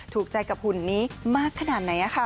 ถูกใจกับหุ่นนี้มากขนาดไหนค่ะ